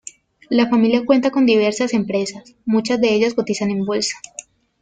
La familia cuenta con diversas empresas, muchas de ellas cotizan en bolsa.